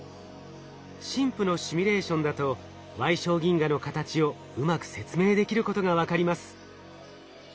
ＳＩＭＰのシミュレーションだと矮小銀河の形をうまく説明できることが分かります。